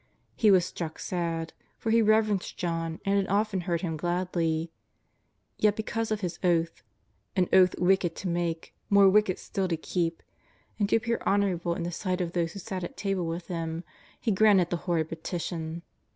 He was struck sad, for he reverenced John and had often heard him gladly. Yet because of his oath — an oath wicked to make, more wicked still to keep — and to appear honourable in the sight gf those who sat at table with him, he granted the horrid petition.